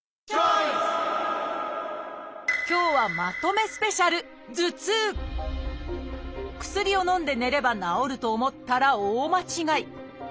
今日はまとめスペシャル薬をのんで寝れば治ると思ったら大間違い。